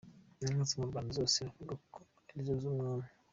Inka zo mu Rwanda zose bavugaga ko ari iz’umwami.